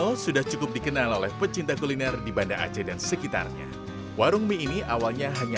pelanggan juga bisa membeli varian lain seperti mie lobster tuna dan daging